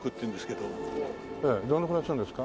どのくらいするんですか？